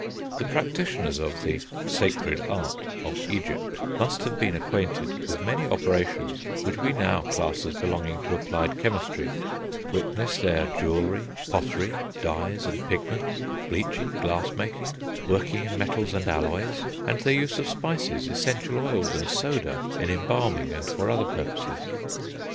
The practitioners of the Sacred Art of Egypt must have been acquainted with many operations which we now class as belonging to applied chemistry; witness, their jewellery, pottery, dyes and pigments, bleaching, glass making, working in metals and alloys, and their use of spices, essential oils, and soda in embalming, and for other purposes.